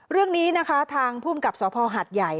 เรื่องนี้นะคะทางภูมิกับสภาอาทยาย